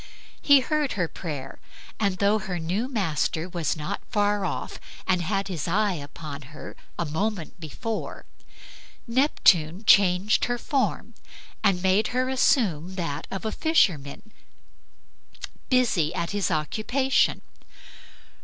He heard her prayer, and though her new master was not far off and had his eye upon her a moment before, Neptune changed her form and made her assume that of a fisherman busy at his occupation.